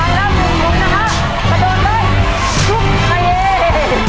อาวุธแข็งเลยนะครับ